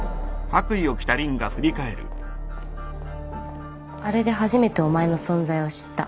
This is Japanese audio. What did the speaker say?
あれで初めてお前の存在を知った。